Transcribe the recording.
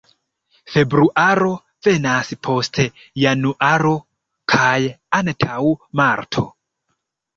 Februaro venas post januaro kaj antaŭ marto.